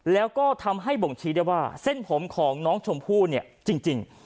แล้วทำให้บ่งชี้ว่าเส้นผมของน้องชมพู่จริง